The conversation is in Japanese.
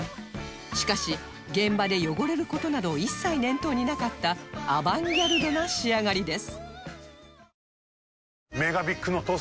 しかし現場で汚れる事など一切念頭になかったアバンギャルドな仕上がりです